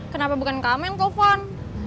kenapa bukan kamu yang telfon